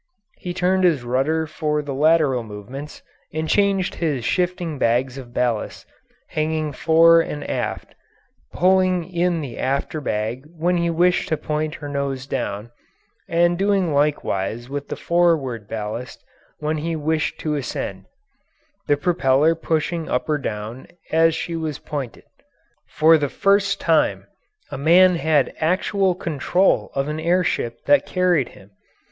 He turned his rudder for the lateral movements, and changed his shifting bags of ballast hanging fore and aft, pulling in the after bag when he wished to point her nose down, and doing likewise with the forward ballast when he wished to ascend the propeller pushing up or down as she was pointed. For the first time a man had actual control of an air ship that carried him.